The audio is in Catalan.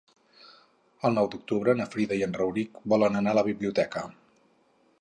El nou d'octubre na Frida i en Rauric volen anar a la biblioteca.